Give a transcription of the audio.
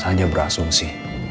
saya hanya berasumsi